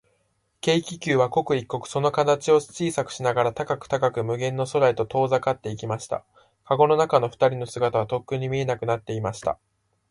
軽気球は、刻一刻、その形を小さくしながら、高く高く、無限の空へと遠ざかっていきました。かごの中のふたりの姿は、とっくに見えなくなっていました。